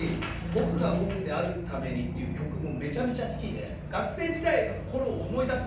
「僕が僕であるために」っていう曲もめちゃめちゃ好きで学生時代の頃を思い出すんですよ。